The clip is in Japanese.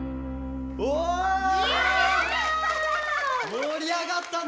もりあがったね！